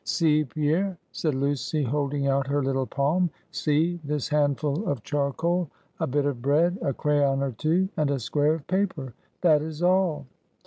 "See, Pierre!" said Lucy, holding out her little palm, "see; this handful of charcoal, a bit of bread, a crayon or two, and a square of paper: that is all."